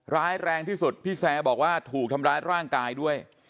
ร้ายแรงที่สุดพี่แซร์บอกว่าถูกทำร้ายร่างกายด้วย